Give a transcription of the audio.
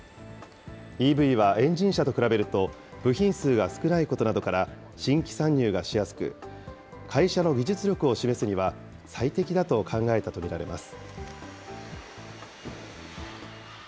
ＥＶはエンジン車と比べると部品数が少ないことなどから新規参入がしやすく、会社の技術力を示すには最適だと考えたと見られます。